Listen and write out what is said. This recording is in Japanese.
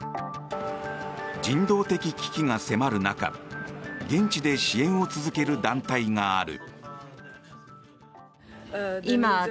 人道的危機が迫る中現地で支援を続ける団体がある。